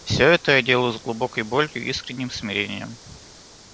Все это я делаю с глубокой болью и искренним смирением.